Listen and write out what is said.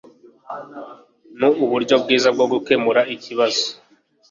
Nuburyo bwiza bwo gukemura ikibazo.